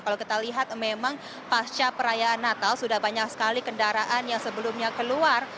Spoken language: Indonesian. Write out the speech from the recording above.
kalau kita lihat memang pasca perayaan natal sudah banyak sekali kendaraan yang sebelumnya keluar